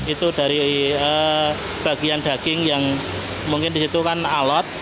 itu dari bagian daging yang mungkin disitu kan alot